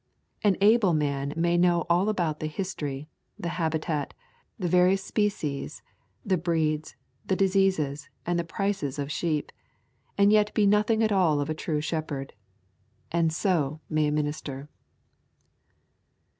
An able man may know all about the history, the habitat, the various species, the breeds, the diseases, and the prices of sheep, and yet be nothing at all of a true shepherd. And so may a minister.